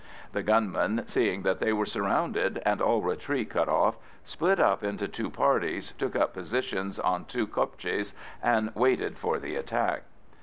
The gunmen, seeing that they were surrounded and all retreat cut off, split up into two parties, took up positions on two kopjes, and waited for the attack.